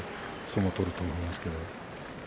相撲を取ると思いますが。